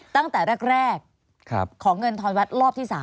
ตั้งแต่แรกของเงินทอนวัดรอบที่๓